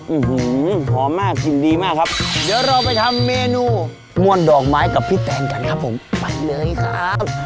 อืมหอมมากกลิ่นดีมากครับเดี๋ยวเราไปทำเมนูม่วนดอกไม้กับพี่แตนกันครับผมไปเลยครับ